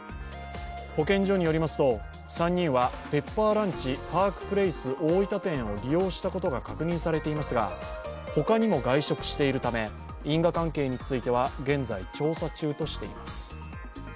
保健所によりますと、３人はペッパーランチパークプレイス大分店を利用したことが確認されていますが、他にも外食しているため因果関係については現在調査中としています。